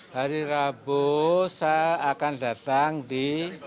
hari rabu saya akan datang di